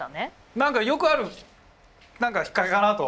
何かよくある何か引っ掛けかなと。